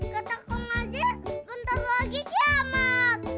kata kong haji bentar lagi kiamat